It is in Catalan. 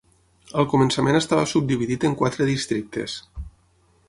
Al començament estava subdividit en quatre districtes.